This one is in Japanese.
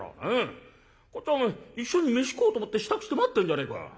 こっちはお前一緒に飯食おうと思って支度して待ってんじゃねえか」。